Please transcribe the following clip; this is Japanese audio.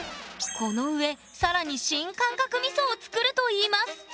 この上更に新感覚みそを作るといいます。